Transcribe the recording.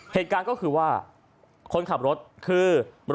เหตุการณ์ก็คือว่าคนขับรถคือ